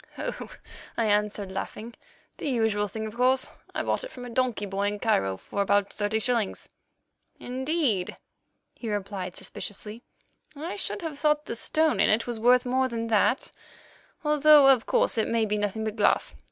"Oh!" I answered, laughing, "the usual thing, of course. I bought it from a donkey boy in Cairo for about thirty shillings." "Indeed," he replied suspiciously. "I should have thought the stone in it was worth more than that, although, of course, it may be nothing but glass.